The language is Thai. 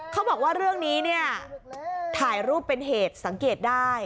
เขาบอกว่าเรื่องนี้เนี่ยถ่ายรูปเป็นเหตุสังเกตได้